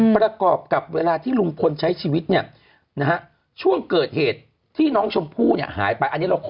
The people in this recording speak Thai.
บรรกอบกับเวลาที่ลุงพลใช้ชีวิตช่วงเกิดเหตุที่น้องชมพู่หายไป